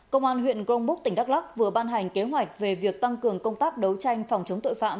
công an huyện grongbuk tỉnh đắk lắc vừa ban hành kế hoạch về việc tăng cường công tác đấu tranh phòng chống tội phạm